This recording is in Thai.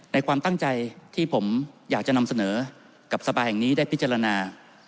ความตั้งใจที่ผมอยากจะนำเสนอกับสภาแห่งนี้ได้พิจารณา